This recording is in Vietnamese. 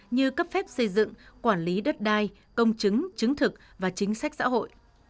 như cấp phép xây dựng quản lý đất đai công chứng chứng thực và chính sách xã hội